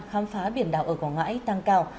khám phá biển đảo ở quảng ngãi tăng cao